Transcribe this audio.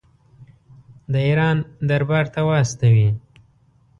د ایران دربار ته واستوي.